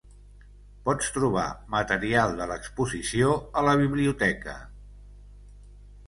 Pots trobar material de l'exposició a la biblioteca.